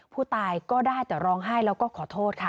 ผู้ตายก็ได้แต่ร้องไห้แล้วก็ขอโทษค่ะ